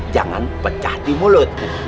jangan pecah di mulut